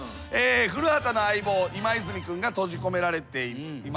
古畑の相棒今泉君が閉じ込められています